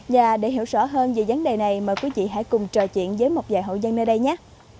và để hiểu rõ hơn về vấn đề này mời quý vị hãy cùng trò chuyện với một vài hộ dân nơi đây nhé